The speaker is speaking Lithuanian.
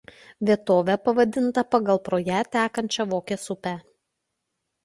Vietovė pavadinta pagal pro ją tekančią Vokės upę.